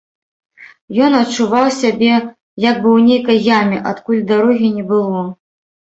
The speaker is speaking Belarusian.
Ён адчуваў сябе як бы ў нейкай яме, адкуль дарогі не было.